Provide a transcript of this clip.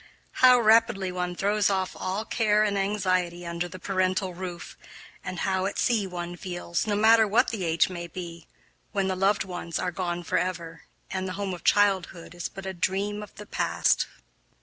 How rapidly one throws off all care and anxiety under the parental roof, and how at sea one feels, no matter what the age may be, when the loved ones are gone forever and the home of childhood is but a dream of the past.